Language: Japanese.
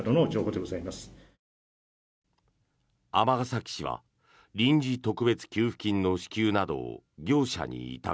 尼崎市は臨時特別給付金の支給などを業者に委託。